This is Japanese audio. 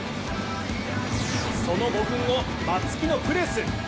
その５分後、松木のプレス。